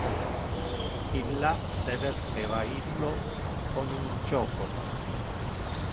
Illa diverteva illo con un joco.